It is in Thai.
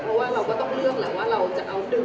เพราะว่าเราก็ต้องเลือกแหละว่าเราจะเอาดึง